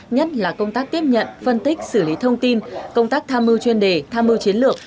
nhất là công tác tiếp nhận phân tích xử lý thông tin công tác tham mưu chuyên đề tham mưu chiến lược